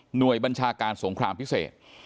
หน่วยบัญชาการสงครามพิเศษ